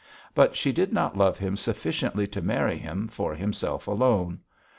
But she did not love him sufficiently to marry him for himself alone.